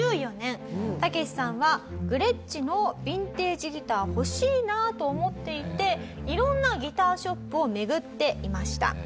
タケシさんはグレッチのヴィンテージギター欲しいなと思っていて色んなギターショップを巡っていました。